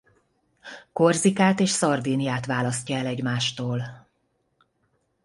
Korzikát és Szardíniát választja el egymástól.